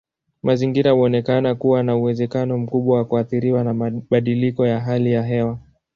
Mazingira huonekana kuwa na uwezekano mkubwa wa kuathiriwa na mabadiliko ya hali ya hewa.